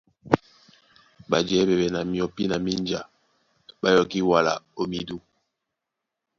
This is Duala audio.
Ɓajɛɛ́ ɓɛɓɛ na myɔpí na mínja ɓá yɔkí wala ó midû.